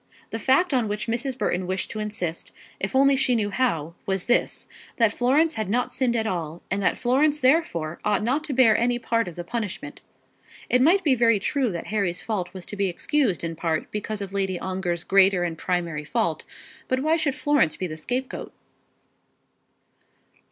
The fact on which Mrs. Burton wished to insist, if only she knew how, was this, that Florence had not sinned at all, and that Florence therefore ought not to bear any part of the punishment. It might be very true that Harry's fault was to be excused in part because of Lady Ongar's greater and primary fault; but why should Florence be the scapegoat?